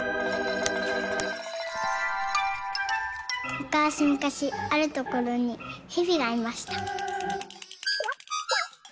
「むかしむかしあるところにへびがいました」。